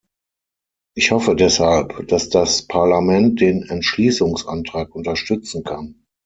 Ich hoffe deshalb, dass das Parlament den Entschließungsantrag unterstützen kann.